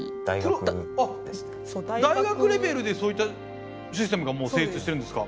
あっ大学レベルでそういったシステムがもう成立してるんですか？